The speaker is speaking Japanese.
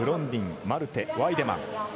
ディン、マルテワイデマン。